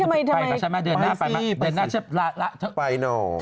นี่ทำไมทำไมไปสิไปหน่อย